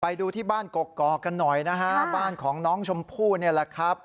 ไปดูที่บ้านกกอกกันหน่อยนะฮะบ้านของน้องชมพู่นี่แหละครับ